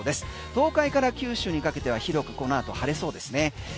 東海から九州にかけては広くこのあと晴れそうですね。